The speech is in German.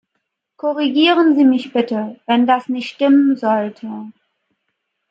Korrigieren Sie mich bitte, wenn das nicht stimmen sollte.